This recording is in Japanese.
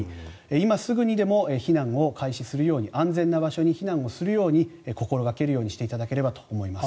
今すぐにでも避難を開始するように安全な場所に避難をするように心掛けるようにしていただければと思います。